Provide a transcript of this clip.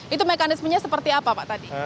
itu mekanismenya seperti apa pak tadi